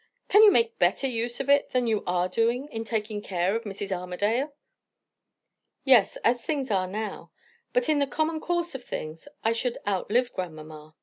_ Can you make better use of it than you are doing, in taking care of Mrs. Armadale?" "Yes as things are now. But in the common course of things I should outlive grandmamma."